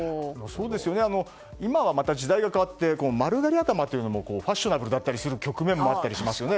今はまた時代が変わって丸刈り頭もファッショナブルな局面もあったりしますよね。